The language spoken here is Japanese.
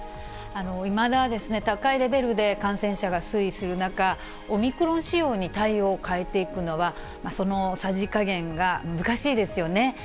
いまだ高いレベルで感染者が推移する中、オミクロン仕様に対応を変えていくのは、そのさじ加減が難しいですよね。